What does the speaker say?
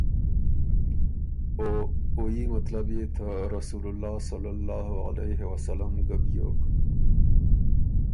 او او يي مطلب يې ته رسول الله صلی الله علیه وسلم ګۀ بیوک۔